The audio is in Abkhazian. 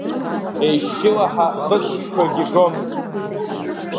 Еишьшьылаҳа, хысбыжьқәакгьы гомызт.